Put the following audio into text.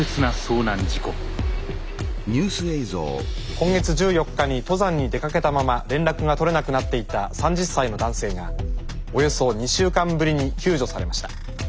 今月１４日に登山に出かけたまま連絡が取れなくなっていた３０歳の男性がおよそ２週間ぶりに救助されました。